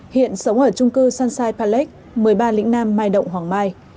hiện sống ở chung cư san sai palek một mươi ba lĩnh nam mai động hòng mai